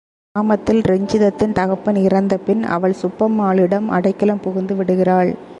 கிராமத்தில் ரஞ்சிதத்தின் தகப்பன் இறந்த பின் அவள் சுப்பம்மாளிடம் அடைக்கலம் புகுந்துவிடுகிறாள்.